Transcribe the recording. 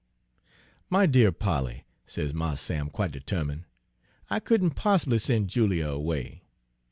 "'My dear Polly,' says Mars Sam, quite determine', 'I couldn' possibly sen' Julia 'way.